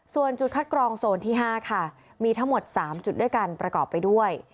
ส่วนจุดคัดกรองโซนที่๕ค่ะมีทั้งหมด๓จุดด้วยกันประกอบไปด้วย